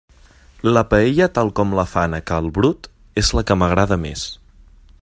La paella tal com la fan a cal Brut és la que m'agrada més.